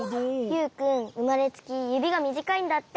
ユウくんうまれつきゆびがみじかいんだって。